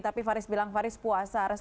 tapi faris bilang faris puasa